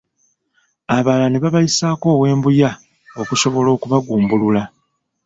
Abalala ne babayisaako ow'embuya okusobola okubagumbulula.